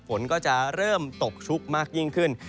ฝนก็จะเริ่มตกชุกมากยิ่งขึ้น